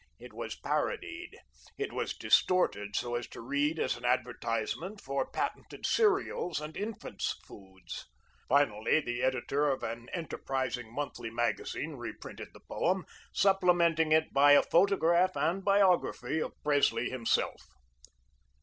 It was parodied; it was distorted so as to read as an advertisement for patented cereals and infants' foods. Finally, the editor of an enterprising monthly magazine reprinted the poem, supplementing it by a photograph and biography of Presley himself.